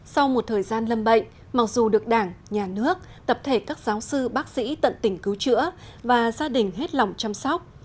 sau một thời gian lâm bệnh mặc dù được đảng nhà nước tập thể các giáo sư bác sĩ tận tỉnh cứu chữa và gia đình hết lòng chăm sóc